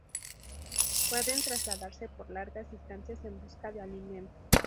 Pueden trasladarse por largas distancias en busca de alimento.